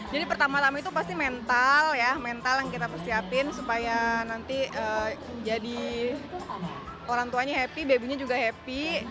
jadi pertama tama itu pasti mental ya mental yang kita persiapin supaya nanti jadi orang tuanya happy babynya juga happy